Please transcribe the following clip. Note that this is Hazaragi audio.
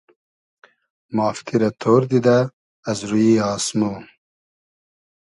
مافتی رۂ تۉر دیدۂ از روی آسمۉ